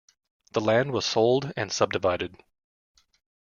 The land was sold and subdivided.